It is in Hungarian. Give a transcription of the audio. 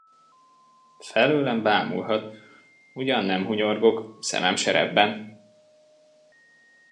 Felőlem bámulhat, ugyan nem hunyorgok, szemem se rebben!